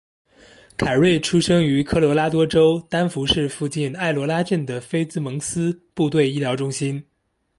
凯瑞出生于科罗拉多州丹佛市附近爱罗拉镇的菲兹蒙斯部队医疗中心。